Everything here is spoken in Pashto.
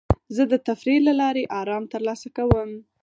زه د تفریح له لارې ارام ترلاسه کوم.